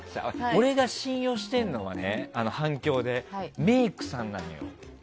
俺が信用してる反響はメイクさんなのよ。